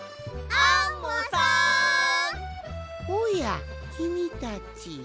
おやきみたち。